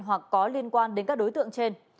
hoặc có liên quan đến các đối tượng trên